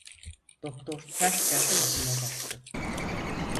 Doktor, ters ters yüzüme baktı.